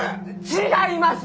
違います！